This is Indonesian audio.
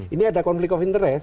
ini ada konflik of interest